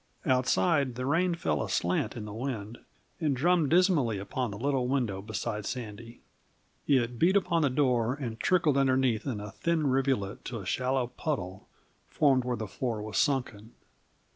Outside, the rain fell aslant in the wind and drummed dismally upon the little window beside Sandy. It beat upon the door and trickled underneath in a thin rivulet to a shallow puddle, formed where the floor was sunken.